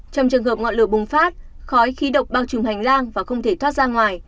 trong trường hợp ngọn lửa bùng phát khói khí độc bao trùm hành lang và không thể thoát ra ngoài